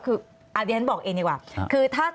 คืออดีตนะครับบอกเองดีกว่า